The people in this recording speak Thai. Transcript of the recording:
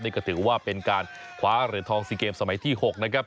นี่ก็ถือว่าเป็นการคว้าเหรียญทอง๔เกมสมัยที่๖นะครับ